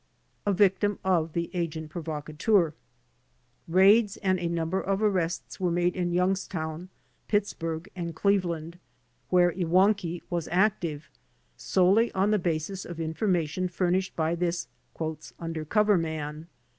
A Victim of the Agent Provocateur Raids and a number of arrests were made in Youngs town, Pittsburgh and Qeveland, where Iwankiw w;as active, solely on the basis of information furnished by this "under cover man."